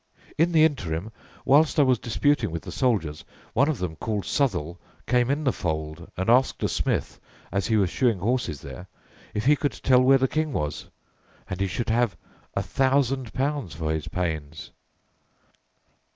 In the interim, whilst I was disputing with the soldiers, one of them called Southall came in the ffould and asked a smith, as hee was shooing horses there, if he could tell where the King was, and he should have "a thousand pounds for his payns...."